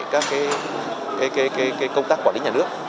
các công tác quản lý nhà nước